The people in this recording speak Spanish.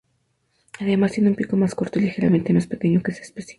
Además, tiene un pico más corto y ligeramente más pequeño que esa especie.